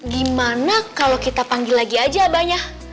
gimana kalau kita panggil lagi aja banyak